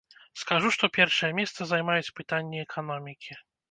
Скажу, што першае месца займаюць пытанні эканомікі.